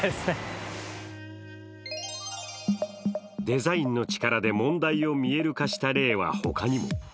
デザインの力で問題を見える化した例はほかにも。